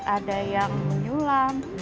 ada yang menyulam